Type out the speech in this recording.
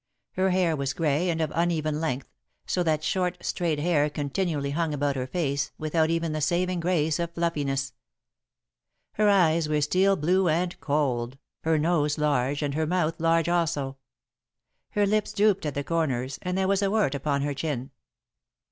Her hair was grey and of uneven length, so that short, straight hair continually hung about her face, without even the saving grace of fluffiness. Her eyes were steel blue and cold, her nose large and her mouth large also. Her lips drooped at the corners and there was a wart upon her chin.